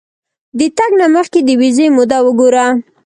د تګ نه مخکې د ویزې موده وګوره.